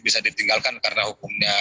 bisa ditinggalkan karena hukumnya